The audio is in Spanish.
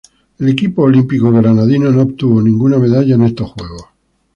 El equipo olímpico granadino no obtuvo ninguna medalla en estos Juegos.